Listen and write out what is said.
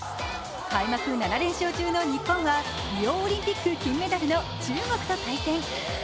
開幕７連勝中の日本はリオオリンピック金メダルの中国と対戦。